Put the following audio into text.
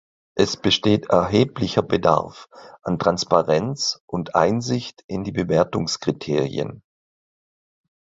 Es besteht erheblicher Bedarf an Transparenz und Einsicht in die Bewertungskriterien.